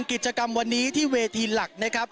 กิจกรรมวันนี้ที่เวทีหลักนะครับ